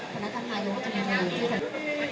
พนักธรรมไทยยกว่าจะมีในที่สำหรับ